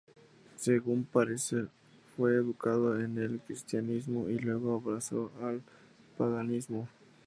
Según parece, fue educado en el cristianismo y luego abrazó el paganismo.